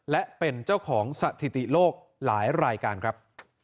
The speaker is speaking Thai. และเป็นเจ้าของสถิติโลกหลายรายการครับ